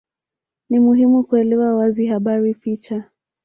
Ni muhimu kuelewa wazi habari picha